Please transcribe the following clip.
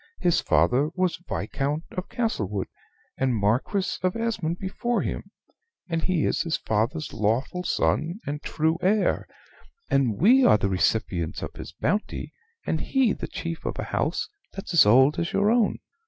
His father was Viscount of Castlewood and Marquis of Esmond before him; and he is his father's lawful son and true heir, and we are the recipients of his bounty, and he the chief of a house that's as old as your own.